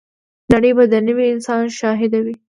نړۍ به د نوي انسان شاهده وي.